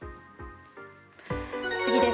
次です。